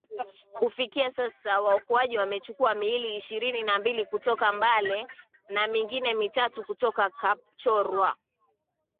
Kufikia sasa waokoaji wamechukua miili ishirini na mbili kutoka Mbale na mingine mitatu kutoka Kapchorwa